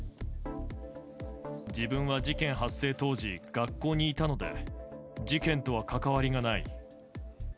自分は事件発生当時、学校にいたので、事件とは関わりがない。